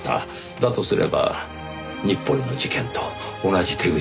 だとすれば日暮里の事件と同じ手口になります。